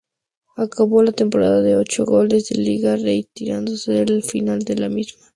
Acabó la temporada con ocho goles en Liga, retirándose al final de la misma.